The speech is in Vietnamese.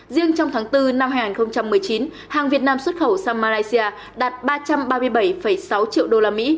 riêng trong tháng bốn năm hai nghìn một mươi chín hàng việt nam xuất khẩu sang malaysia đạt ba trăm ba mươi bảy sáu triệu usd